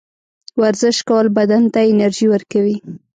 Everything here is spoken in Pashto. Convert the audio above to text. ورزش کول بدن ته انرژي ورکوي.